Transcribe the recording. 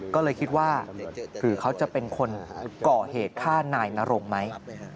ก็เลยคิดว่าคือเขาจะเป็นคนก่อเหตุฆ่านายนรงไหม